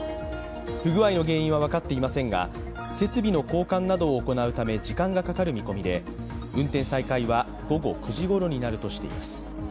不具合の原因は分かっていませんが、設備の交換などを行うため時間がかかる見込みで運転再開は午後９時ごろになるとしています。